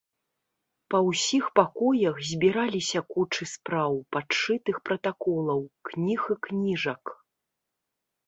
Па ўсіх пакоях збіраліся кучы спраў, падшытых пратаколаў, кніг і кніжак.